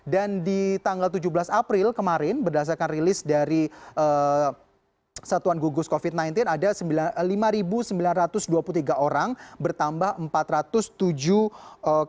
di tanggal tujuh belas april kemarin berdasarkan rilis dari satuan gugus covid sembilan belas ada lima sembilan ratus dua puluh tiga orang bertambah empat ratus tujuh orang